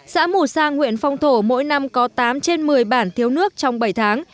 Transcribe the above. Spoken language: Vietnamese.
xã mù sang huyện phong thổ mỗi năm có tám trên một mươi bản thiếu nước trong bảy tháng